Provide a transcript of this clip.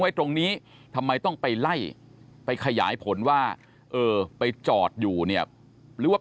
ไว้ตรงนี้ทำไมต้องไปไล่ไปขยายผลว่าเออไปจอดอยู่เนี่ยหรือว่า